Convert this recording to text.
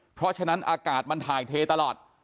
เพราะฉะนั้นอากาศมันถ่ายเทตลอด